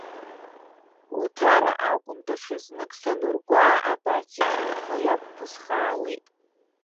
Уҭара акәым, даҽазнык санургәаа, абарҭ зегьы ухы иақәԥысххаауеит.